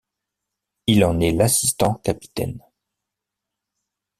Il en est l'assistant capitaine.